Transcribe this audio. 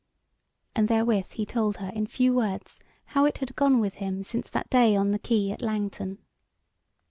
And therewith he told her in few words how it had gone with him since that day on the quay at Langton.